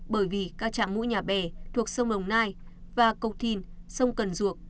bởi vì các trạm mũi nhà bè thuộc sông đồng nai và cầu thìn sông cần ruộc